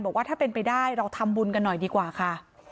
บอกว่าถ้าเป็นไปได้เราทำบุญกันหน่อยดีกว่าค่ะ